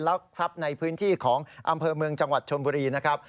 รักทรัพย์ในพื้นที่ของอำเภอเมืองจังหวัดชนบุรีนะครับ